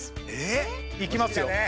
ええ？いきますよ。